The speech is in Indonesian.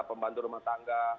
pembantu rumah tangga